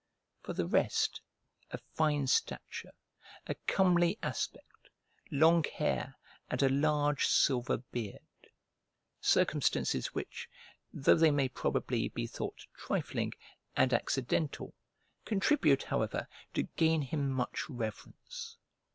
For the rest, a fine stature, a comely aspect, long hair, and a large silver beard; circumstances which, though they may probably be thought trifling and accidental, contribute, however, to gain him much reverence.